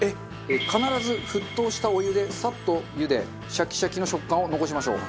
必ず沸騰したお湯でサッと茹でシャキシャキの食感を残しましょう。